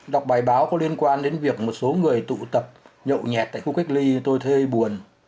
đọc bài báo có liên quan đến việc một số người tụ tập nhậu nhẹt tại khu cách ly tôi thấy buồn